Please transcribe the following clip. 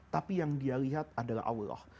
tapi yang dia lihat adalah allah